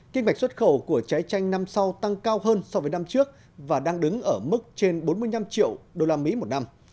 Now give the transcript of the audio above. kinh ngạch xuất khẩu của trái chanh năm sau tăng cao hơn so với năm trước và đang đứng ở mức trên bốn mươi năm triệu usd một năm